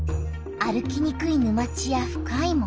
歩きにくい沼地や深い森